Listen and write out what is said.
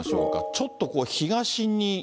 ちょっとこう、東に。